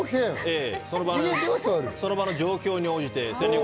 その場の状況に応じて。